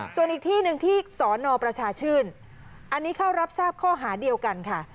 ส่วนอีกที่หนึ่งที่สนประชาชื่นอันนี้เข้ารับทราบข้อหาเดียวกันค่ะ